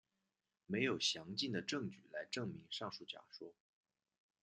没有详尽的证据来证明上述假说。